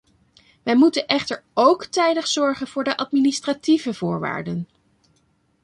Wij moeten echter ook tijdig zorgen voor de administratieve voorwaarden.